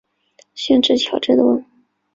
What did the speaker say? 县治乔治敦。